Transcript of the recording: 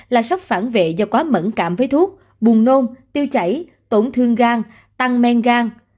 là sốc phản vệ do quá mẫn cảm với thuốc buồn nôn tiêu chảy tổn thương gan tăng men gan